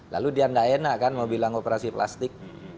lalu dia nggak enak kan mau bilang operasi plastik